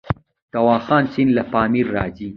د واخان سیند له پامیر راځي